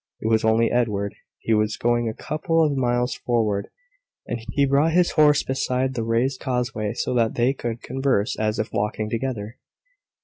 It was only Edward. He was going a couple of miles forward, and he brought his horse beside the raised causeway, so that they could converse as if walking together.